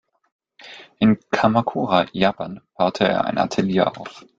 In Kamakura, Japan, baute er ein Atelier auf.